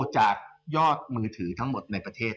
จากยอดมือถือทั้งหมดในประเทศ